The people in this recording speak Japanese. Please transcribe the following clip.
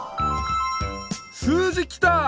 数字きた！